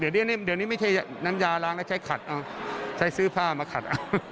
เดี๋ยวนี้ไม่ใช่น้ำยาล้างแล้วใช้ขัดเอาใช้ซื้อผ้ามาขัด